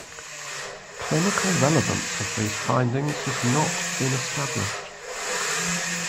Clinical relevance of these findings has not been established.